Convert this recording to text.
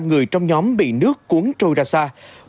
một người trong nhóm bị nước cuốn trôi ra xa